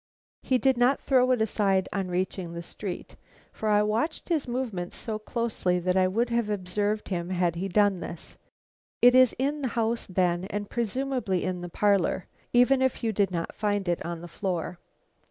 He did not throw it aside on reaching the street, for I watched his movements so closely that I would have observed him had he done this. It is in the house then, and presumably in the parlor, even if you do not find it on the floor."